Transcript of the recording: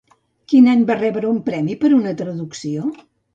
Quin any va rebre un premi per una traducció?